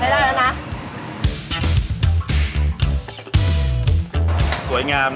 ขอบคุณครับ